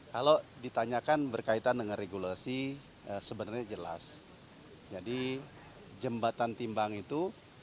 kalau ditanyakan berkaitan dengan regulasi sebenarnya jelas jadi jembatan timbang itu